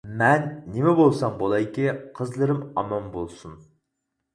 مەن نېمە بولسام بولايكى، قىزلىرىم ئامان بولسۇن.